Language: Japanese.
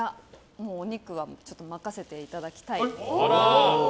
お肉は任せていただきたい。